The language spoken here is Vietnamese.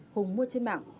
hùng mua trên mạng